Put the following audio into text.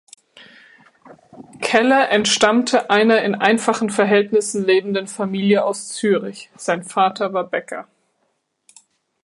Keller entstammte einer in einfachen Verhältnissen lebenden Familie aus Zürich, sein Vater war Bäcker.